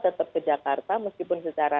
tetap ke jakarta meskipun secara